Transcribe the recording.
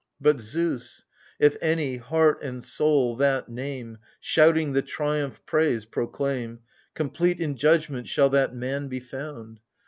But " Zeus "— if any, heart and soul, that name Shouting the triumph praise — proclaim, Complete in judgment shall that man be found.